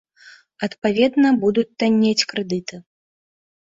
Адпаведна, будуць таннець крэдыты.